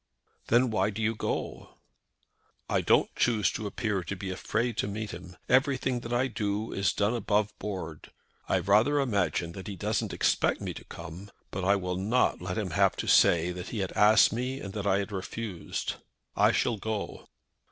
"Then why do you go?" "I don't choose to appear to be afraid to meet him. Everything that I do is done above board. I rather imagine that he doesn't expect me to come; but I will not let him have to say that he had asked me and that I had refused. I shall go."